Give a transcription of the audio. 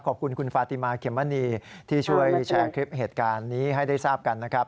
ขอบคุณคุณฟาติมาเขมมณีที่ช่วยแชร์คลิปเหตุการณ์นี้ให้ได้ทราบกันนะครับ